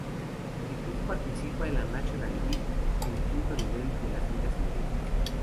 El club participa en la National League, el quinto nivel de las ligas inglesas.